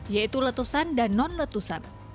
yaitu letusan dan non letusan